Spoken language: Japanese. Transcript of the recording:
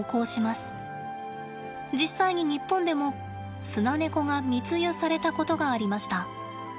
実際に日本でもスナネコが密輸されたことがありました。